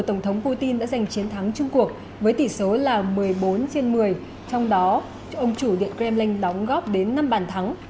tổng thống putin đã giành chiến thắng chung cuộc với tỷ số là một mươi bốn trên một mươi trong đó ông chủ điện kremlink đóng góp đến năm bàn thắng